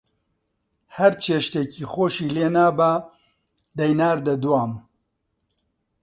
هەر چێشتێکی خۆشی لێنابا، دەیناردە دوام